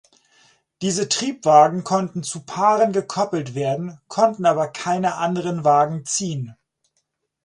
Diese Triebwagen konnten zu Paaren gekoppelt werden, konnten aber keine anderen Wagen ziehen.